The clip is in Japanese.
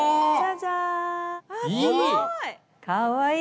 あすごい！